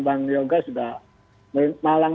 bang yoga sudah malang